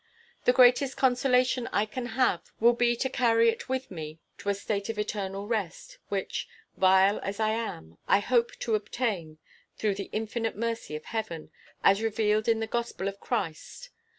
The greatest consolation I can have will be to carry it with me to a state of eternal rest; which, vile as I am, I hope to obtain, through the infinite mercy of Heaven, as revealed in the gospel of Christ.